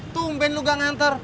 tumben lu gak nganter